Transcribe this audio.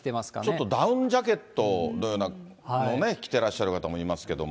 ちょっとダウンジャケットのようなもの、着てらっしゃる方もいますけれども。